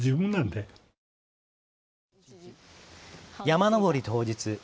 山登り当日。